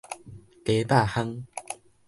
雞肉烘